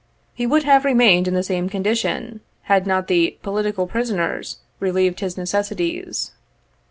He would have remained in the same condition had not the "political prisoners" relieved his necessities.